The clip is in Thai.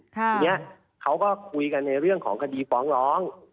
ทีนี้เขาก็คุยกันในเรื่องของคดีฟ้องร้อง